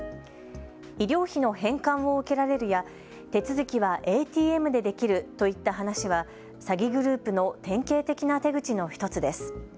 医療費の返還を受けられるや手続きはＡＴＭでできるといった話は、詐欺グループの典型的な手口の１つです。